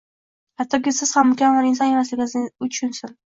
Hattoki siz ham mukammal inson emasligingizni u tushunsin.